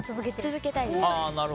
続けたいです。